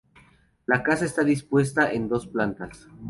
La casa está dispuesta en dos plantas.